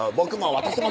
「私も！」